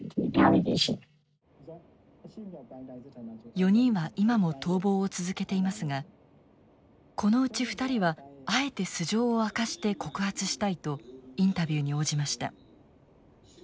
４人は今も逃亡を続けていますがこのうち２人はあえて素性を明かして告発したいとインタビューに応じました。